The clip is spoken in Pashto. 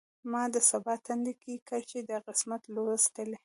ما د سبا تندی کې کرښې د قسمت لوستلي